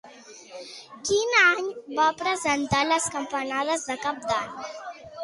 Quin any va presentar les campanades de Cap d'Any?